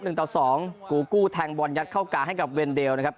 หนึ่งต่อสองกูกู้แทงบอลยัดเข้ากลางให้กับเวนเดลนะครับ